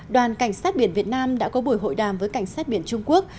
đoàn cảnh sát biển việt nam đã có buổi hội đàm với cảnh sát biển trung quốc